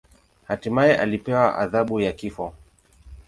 Hatimaye alipewa adhabu ya kifo.